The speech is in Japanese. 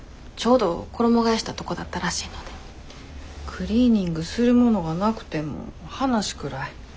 クリーニングするものがなくても話くらい。